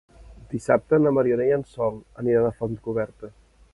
Dissabte na Mariona i en Sol aniran a Fontcoberta.